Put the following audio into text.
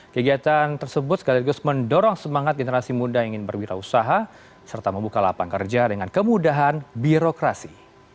kegiatan tersebut sekaligus mendorong semangat generasi muda yang ingin berwirausaha serta membuka lapangan kerja dengan kemudahan birokrasi